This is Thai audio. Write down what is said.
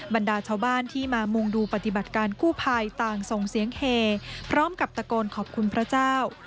บรรดาชาวบ้านที่มามุงดูปฏิบัติการกู้ภัยต่างส่งเสียงเฮพร้อมกับตะโกนขอบคุณพระเจ้า